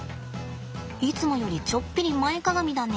いつもよりちょっぴり前かがみだね。